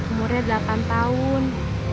umurnya delapan tahun